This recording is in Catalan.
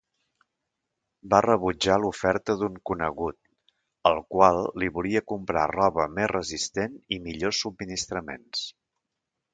Va rebutjar l'oferta d'un conegut, el qual li volia comprar roba més resistent i millors subministraments.